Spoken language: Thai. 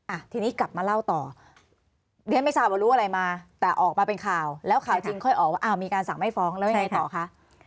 อ่ะทีนี้กลับมาเล่าต่อดิฉันไม่ทราบว่ารู้อะไรมาแต่ออกมาเป็นข่าวแล้วข่าวจริงค่อยออกว่าอ้าวมีการสั่งไม่ฟ้องแล้วยังไงต่อคะ